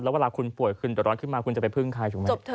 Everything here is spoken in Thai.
แล้วเวลาคุณป่วยคุณดอดรอดขึ้นมาจะไปพึ่งใคร